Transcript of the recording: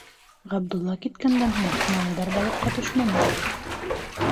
Ғабдулла киткәндән һуң, малайҙар балыҡҡа төшмәне.